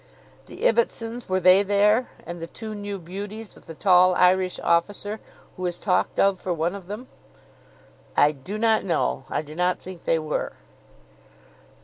"The Ibbotsons, were they there? and the two new beauties, with the tall Irish officer, who is talked of for one of them." "I do not know. I do not think they were."